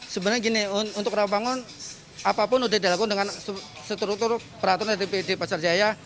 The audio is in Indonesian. sebenarnya gini untuk rawamangun apapun sudah dilakukan dengan seteruk teruk peraturan dari pid pasar jaya